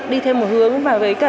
đi theo một hướng và với cả